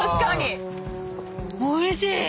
おいしい！